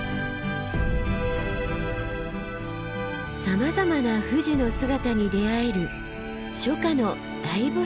さまざまな富士の姿に出会える初夏の大菩嶺です。